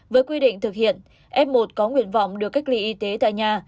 với quy định thực hiện f một có nguyện vọng được cách ly y tế tại nhà